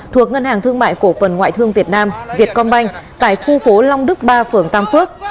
thuộc ngân hàng thương mại cổ phần ngoại thương việt nam việt công banh tại khu phố long đức ba phường tam phước